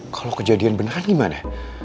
kalau kejadian beneran gimana